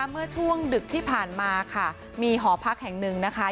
เมื่อช่วงดึกที่ผ่านมาค่ะมีหอพักแห่งหนึ่งนะคะ